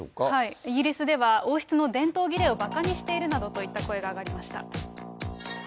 イギリスでは王室の伝統儀礼をばかにしているなどといった声が上がりました。